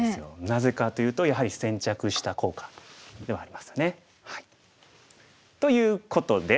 なぜかというとやはり先着した効果ではありますよね。ということで。